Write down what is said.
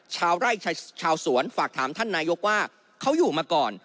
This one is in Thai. ชาวสวนฝากถามท่านนายกว่าเขาอยู่มาก่อน